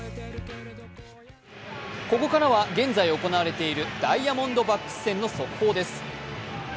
ここからは現在行われているダイヤモンドバックス戦の速報です。